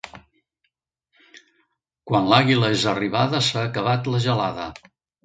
Quan l'àguila és arribada s'ha acabat la gelada.